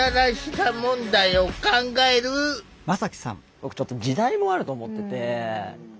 僕ちょっと時代もあると思ってて。